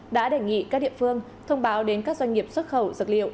đã đề nghị các địa phương thông báo đến các doanh nghiệp xuất khẩu dược liệu